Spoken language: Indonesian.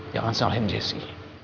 jangan salahin jesse